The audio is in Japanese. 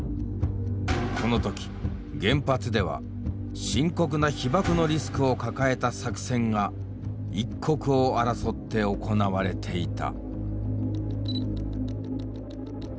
この時原発では深刻な被ばくのリスクを抱えた作戦が一刻を争って行われていた。